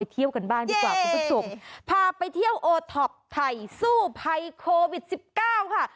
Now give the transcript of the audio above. เที่ยวกันบ้างดีกว่าคุณผู้ชมพาไปเที่ยวโอท็อปไทยสู้ภัยโควิดสิบเก้าค่ะ